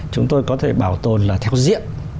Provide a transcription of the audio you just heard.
chúng tôi có thể bảo tồn là theo diện